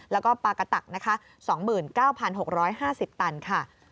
แล้วก็ปากะตักนะคะ๒๙๖๕๐ตันค่ะ